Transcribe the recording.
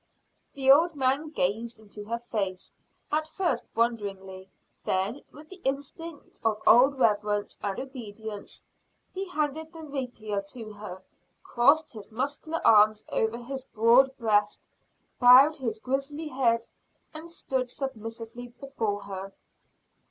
The old man gazed into her face, at first wonderingly; then, with the instinct of old reverence and obedience, he handed the rapier to her, crossed his muscular arms over his broad breast, bowed his grisly head, and stood submissively before her.